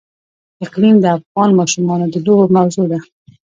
اقلیم د افغان ماشومانو د لوبو موضوع ده.